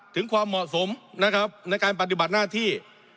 ถึงความเหมาะสมนะครับในการปฏิบัติหน้าที่